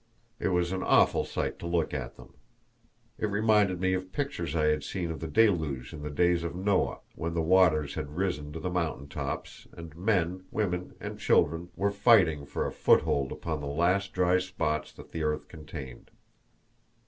It was an awful sight to look at them. It reminded me of pictures that I had seen of the deluge in the days of Noah, when the waters had risen to the mountain tops, and men, women and children were fighting for a foothold upon the last dry spots that the earth contained.